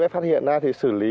phát hiện ra thì xử lý